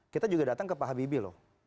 kita juga datang ke pak habibie loh